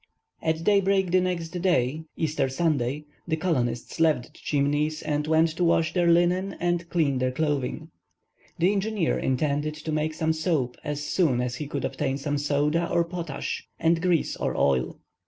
At daybreak the next day, Easter Sunday, the colonists left the Chimneys and went to wash their linen and clean their clothing. The engineer intended to make some soap as soon as he could obtain some soda or potash and grease or oil.